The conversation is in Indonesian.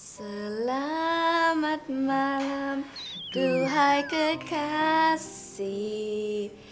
selamat malam tuhan kekasih